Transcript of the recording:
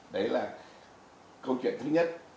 đấy là câu chuyện thứ nhất